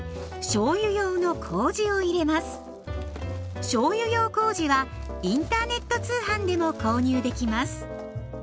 しょうゆ用こうじはインターネット通販でも購入できます。